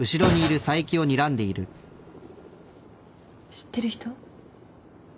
知ってる人？